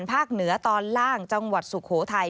ภาคเหนือตอนล่างจังหวัดสุโขทัย